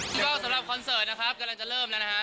ก็สำหรับคอนเสิร์ตนะครับกำลังจะเริ่มแล้วนะฮะ